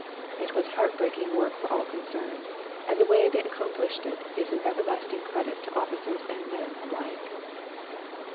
It was heartbreaking work for all concerned, and the way they accom plished it is an everlasting credit to officers and men alike.